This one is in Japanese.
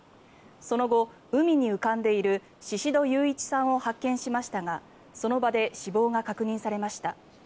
その後、海に浮かんでいる宍戸勇一さんを発見しましたがその場で死亡が確認されました。